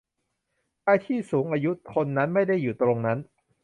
ชายที่สูงอายุคนนั้นไม่ได้อยู่ตรงนั้น